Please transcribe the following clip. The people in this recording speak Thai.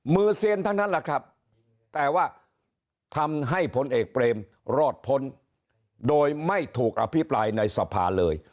เซียนทั้งนั้นแหละครับแต่ว่าทำให้ผลเอกเปรมรอดพ้นโดยไม่ถูกอภิปรายในสภาเลย